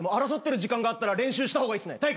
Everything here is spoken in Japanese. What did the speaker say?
争ってる時間があったら練習した方がいいっすね。